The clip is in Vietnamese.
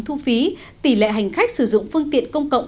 thu phí tỷ lệ hành khách sử dụng phương tiện công cộng